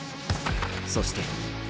そして。